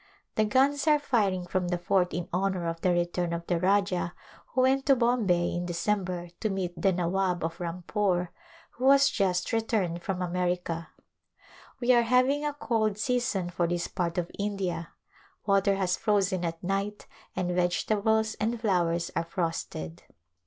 The guns are firing from the fort in honor of the return of the Rajah who went to Bombay in Decem ber to meet the Nawab of Rampore, who has just re turned from America. We are having a cold season for this part of India. Water has frozen at night and vegetables and flowers are frosted.